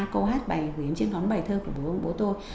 câu hát bài hỏi em chiếc nón bài thơ của bố tôi